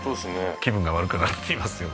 気分が悪くなってきますよ